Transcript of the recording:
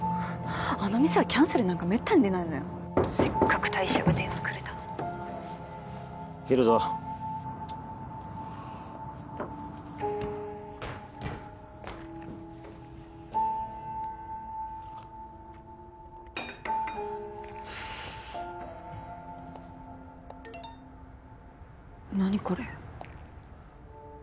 あの店はキャンセルなんかめったに出ないのよ☎せっかく大将が電話くれたのに切るぞはあっ何これ？